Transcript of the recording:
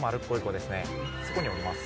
そこにおります。